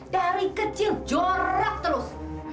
dari kecil jorok terus